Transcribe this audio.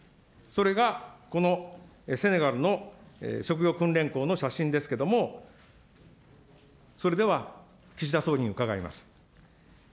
それがこのセネガルの職業訓練校の写真ですけれども、それでは岸田総理に伺います。